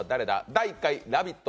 「第１回ラヴィット！